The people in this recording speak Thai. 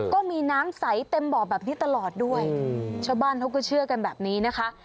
ก็มีน้ำใสเต็มบ่อแบบนี้ตลอดด้วยชาวบ้านเขาก็เชื่อกันแบบนี้นะคะ